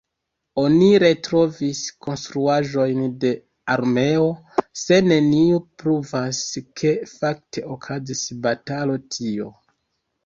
Oni retrovis konstruaĵojn de armeo, se neniu pruvas, ke fakte okazis batalo tio.